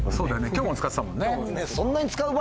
今日も使ってたもんね？